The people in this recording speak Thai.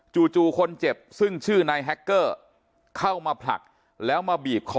จู่คนเจ็บซึ่งชื่อนายแฮคเกอร์เข้ามาผลักแล้วมาบีบคอ